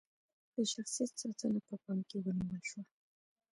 د شخصیت ساتنه په پام کې ونیول شوه.